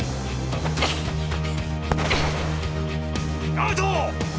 アウト！